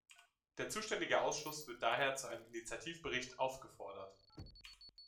Der zuständige Ausschuss wird daher zu einem Initiativbericht aufgefordert.